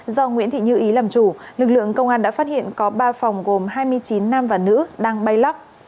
do nguyễn thị như ý làm chủ lực lượng công an đã phát hiện có ba phòng gồm hai mươi chín nam và nữ đang bay lắc